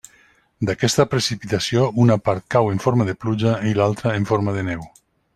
D'aquesta precipitació, una part cau en forma de pluja i l'altra en forma de neu.